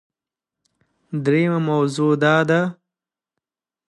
دریمه موضوع دا ده